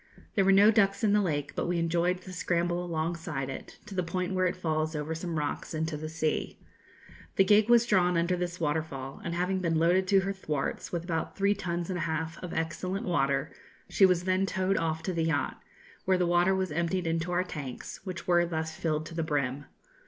There were no ducks in the lake, but we enjoyed the scramble alongside it, to the point where it falls over some rocks into the sea. The gig was drawn under this waterfall, and having been loaded to her thwarts, with about three tons and a half of excellent water, she was then towed off to the yacht, where the water was emptied into our tanks, which were thus filled to the brim.